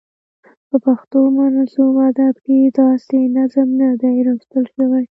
په پښتو منظوم ادب کې داسې نظم نه دی لوستل شوی.